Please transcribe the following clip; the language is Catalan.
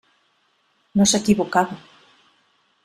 No s'equivocava.